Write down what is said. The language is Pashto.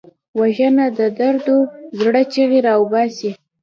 وژنه د دردو زړه چیغې راوباسي